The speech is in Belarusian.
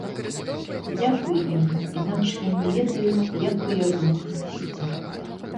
Дзякуй ім, інакш я не ведаю, як бы я змог сысці.